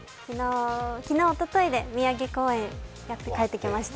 昨日、おとといで宮城公演をやって帰ってきました。